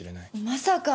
まさか！